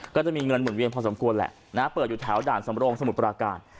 ก็จะมีเงินหมุนเวียนพอสมควรแหละนะเปิดอยู่แถวด่านสำรงสมุทรปราการ